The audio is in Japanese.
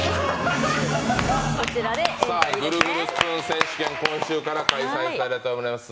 さあ、ぐるぐるスプーン選手権、今週から開催されております。